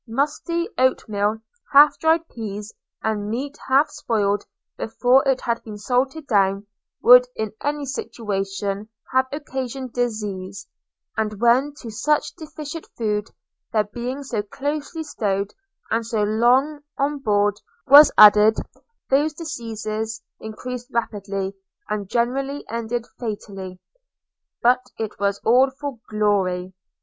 Musty oatmeal, half dried pease, and meat half spoiled before it had been salted down, would in any situation have occasioned diseases; and when to such defective food, their being so closely stowed and so long on board was added, those diseases increased rapidly, and generally ended fatally. But it was all for glory.